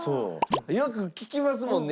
よく聞きますもんね。